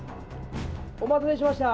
お待たせしました。